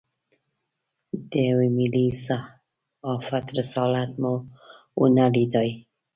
د یوه ملي صحافت رسالت مو ونه لېدای.